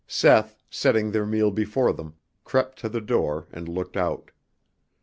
Seth, setting their meal before them, crept to the door and looked out.